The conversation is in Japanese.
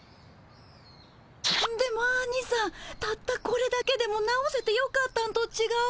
でもアニさんたったこれだけでも直せてよかったんとちがう？